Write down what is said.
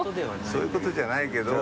そういうことじゃないけど。